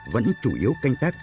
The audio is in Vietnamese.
vẫn chủ yếu canh tác